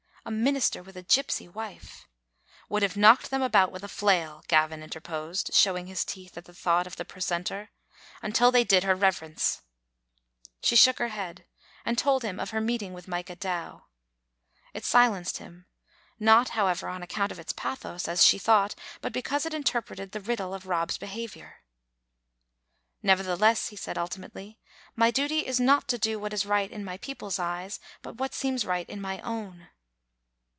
" A minister with a gypsy wife "" Would have knocked them about with a flail," Gavin interposed, showing his teeth at the thought of the pre centor, "until they did her reverence." Digitized by VjOOQ IC XeaMttd to tbe BppaUittd Aatrfage* 27i She shook her head, and told him of her meeting with Micah Dow. It silenced him; not, however, on account of its pathos, as she thought, but because it in terpreted the riddle of Rob's behavior. "Nevertheless," he said ultimately, "my duty is not to do what is right in my people's eyes, but what seems right in my own."